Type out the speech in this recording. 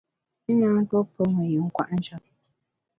I na tuo pe me yin kwet njap.